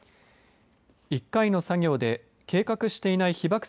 １回の作業で計画していない被ばく